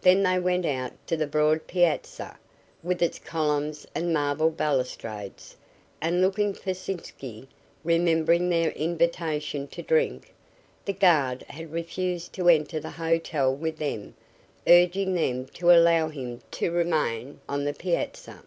Then they went out to the broad piazza, with its columns and marble balustrades, and looked for Sitzky, remembering their invitation to drink. The guard had refused to enter the hotel with them, urging them to allow him to remain on the piazza.